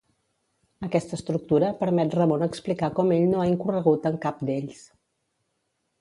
Aquesta estructura permet Ramon explicar com ell no ha incorregut en cap d'ells.